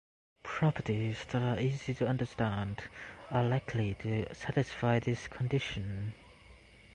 Properties that are easy to understand are likely to satisfy this condition.